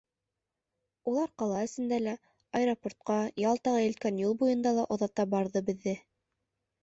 Улар ҡала эсендә лә, аэропортҡа, Ялтаға илткән юл буйында ла оҙата барҙы беҙҙе.